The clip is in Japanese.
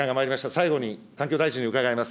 最後に環境大臣に伺います。